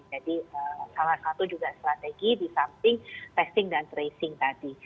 jadi salah satu juga strategi di samping testing dan tracing tadi